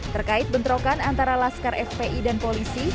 terkait bentrokan antara laskar fpi dan polisi